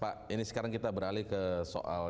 pak ini sekarang kita beralih ke soal